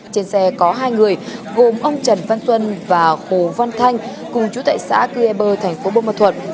trên xe có hai người gồm ông trần văn xuân và hồ văn thanh cùng chú tại xã cuyê bơ thành phố bô ma thuật